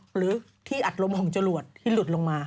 หรือที่อัดลมของจรวดที่หลุดลงมา